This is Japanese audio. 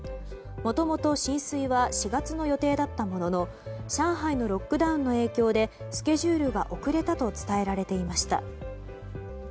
もともと進水は４月の予定だったものの上海のロックダウンの影響でスケジュールが遅れたと伝えられていました。